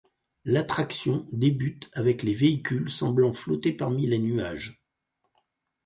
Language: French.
L'attraction débute avec les véhicules semblant flotter parmi les nuages.